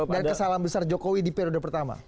kesalahan besar jokowi di periode pertama